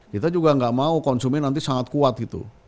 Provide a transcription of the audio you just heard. kita juga nggak mau konsumen nanti sangat kuat gitu